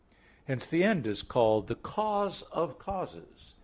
Hence the end is called the cause of causes.